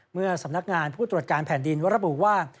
เมื่อสำนักงานผู้ตรวจการแผ่นดินระบุว่า